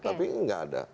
tapi ini gak ada